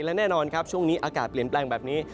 และแน่นอนครับช่วงนี้อากาศเปลี่ยนแปลงแบบนี้